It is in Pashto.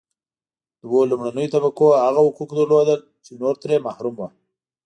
دوه لومړنیو طبقو هغه حقوق لرل چې نور ترې محروم وو.